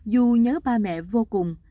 dù nhớ ba mẹ vô cùng